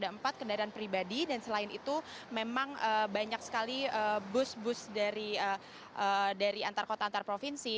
ada empat kendaraan pribadi dan selain itu memang banyak sekali bus bus dari antar kota antar provinsi